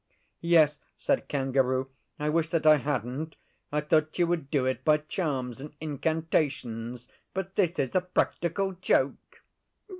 'Yes,' said Kangaroo. 'I wish that I hadn't. I thought you would do it by charms and incantations, but this is a practical joke.